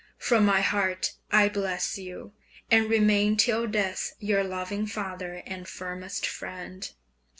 From my heart I bless you, and remain till death your loving father and firmest friend.